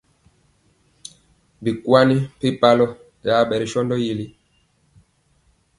Bikwan mpempalɔ yaɓɛ ri sɔndɔ yi.